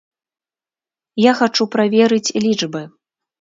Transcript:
Я хачу праверыць лічбы.